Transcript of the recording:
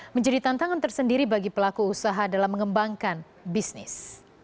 menjadi tantangan tersendiri bagi pelaku usaha dalam mengembangkan bisnis